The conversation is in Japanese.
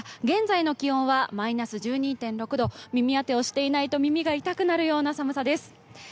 現在の気温はマイナス１２．６度、耳当てをしていないと耳が痛くなるような寒さです。